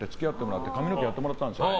髪の毛やってもらったんですね。